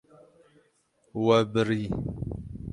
We birî.